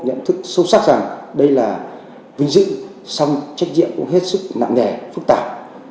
nhận thức sâu sắc rằng đây là vinh dự xong trách nhiệm cũng hết sức nặng nghề phức tạp